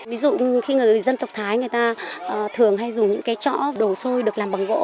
ví dụ khi người dân tộc thái người ta thường hay dùng những cái chọ đồ xôi được làm bằng gỗ